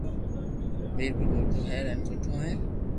ميرپور موٽو ھير ھين سٺو ھي